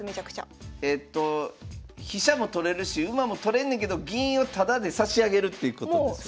だからえっと飛車も取れるし馬も取れんねんけど銀をタダで差し上げるっていうことですよね。